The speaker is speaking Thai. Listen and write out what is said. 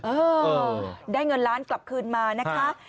เออได้เงินล้านกลับคืนมานะคะ